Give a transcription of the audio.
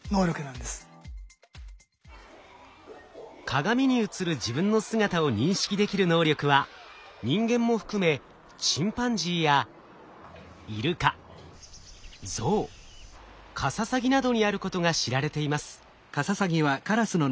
鏡に映る自分の姿を認識できる能力は人間も含めチンパンジーやイルカゾウカササギなどにあることが知られています。